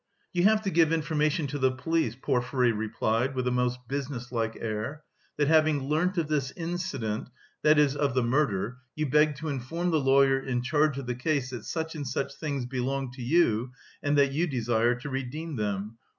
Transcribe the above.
"You have to give information to the police," Porfiry replied, with a most businesslike air, "that having learnt of this incident, that is of the murder, you beg to inform the lawyer in charge of the case that such and such things belong to you, and that you desire to redeem them...